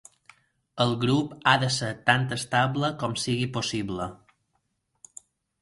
El grup ha de ser tant estable com sigui possible.